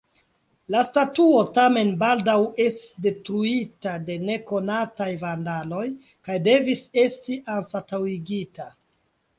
La statuo tamen baldaŭ estis detruita de nekonataj vandaloj kaj devis esti anstataŭigita.